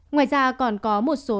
ngoài ra còn có một số